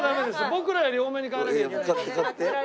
僕らより多めに買わなきゃいけないから。